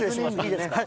いいですか？